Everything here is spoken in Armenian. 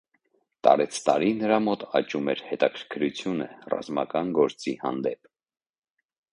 Տարեցտարի նրա մոտ աճում էր հետաքրքրությունը ռազմական գործի հանդեպ։